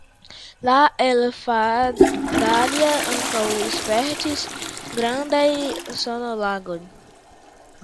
La elfdalia ankaŭ spertis grandajn sonoŝangojn.